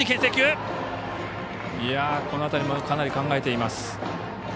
この辺りもかなり考えています。